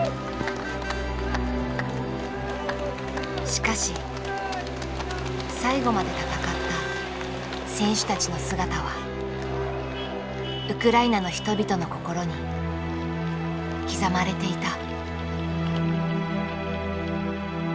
しかし最後まで戦った選手たちの姿はウクライナの人々の心に刻まれていた。